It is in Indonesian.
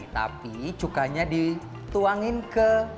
tapi cukanya dituangkan ke makanan